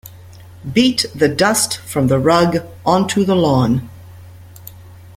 Beat the dust from the rug onto the lawn.